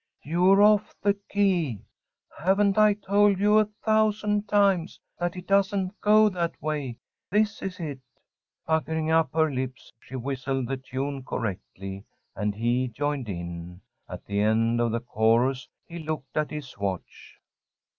"You're off the key. Haven't I told you a thousand times that it doesn't go that way? This is it." Puckering up her lips, she whistled the tune correctly, and he joined in. At the end of the chorus he looked at his watch.